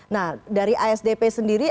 nah dari asdp sendiri